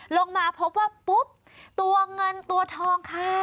ลงมาพบว่าปุ๊บตัวเงินตัวทองค่ะ